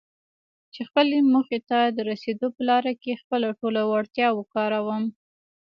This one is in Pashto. چې خپلې موخې ته د رسېدو په لاره کې خپله ټوله وړتيا وکاروم.